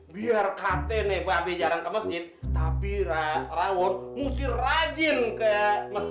biar katanya bapak jalan ke masjid tapi rangun musti rajin ke masjid ya